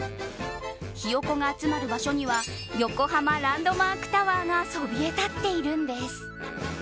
ひよこが集まる場所には横浜ランドマークタワーがそびえ立っているんです。